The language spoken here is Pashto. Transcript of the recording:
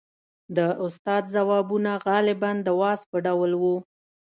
• د استاد ځوابونه غالباً د وعظ په ډول وو.